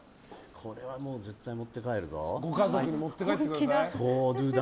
これは絶対持って帰るぞ。